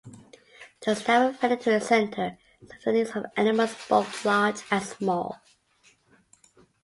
The Stafford Veterinary Center serves the needs of animals, both large and small.